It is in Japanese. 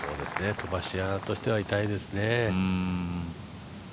飛ばし屋としては痛いですね。